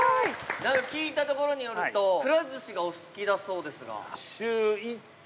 聞いたところによるとくら寿司がお好きだそうですが。